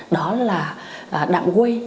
đó là đạm quây